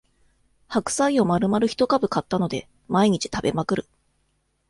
白菜をまるまる一株買ったので毎日食べまくる